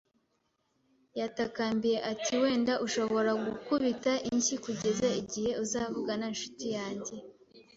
Yatakambiye ati: “Wenda ushobora gukubita inshyi kugeza igihe uzavugana, nshuti yanjye.”